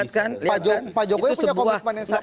pak jokowi punya komitmen yang sama